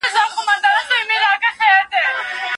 تاسي په خپل لیپټاپ کي د ژبې کوم کورس لرئ؟